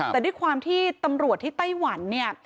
แต่ด้วยความที่ตำรวจที่ไต้หวันเนี่ย